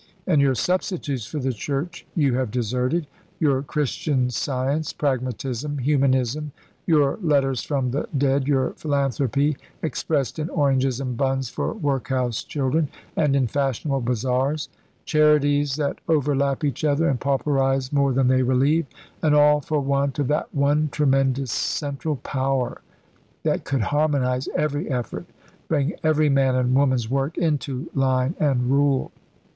And your substitutes for the Church you have deserted your Christian Science, Pragmatism, Humanism, your letters from the dead, your philanthropy expressed in oranges and buns for workhouse children, and in fashionable bazaars; charities that overlap each other and pauperise more than they relieve; and all for want of that one tremendous Central Power that could harmonise every effort, bring every man and woman's work into line and rule.